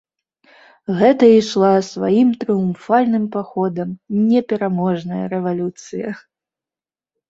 Гэта ішла сваім трыумфальным паходам непераможная рэвалюцыя.